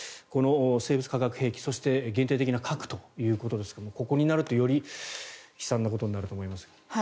この生物・化学兵器、そして限定的な核ということですがここになると、より悲惨なことになると思いますが。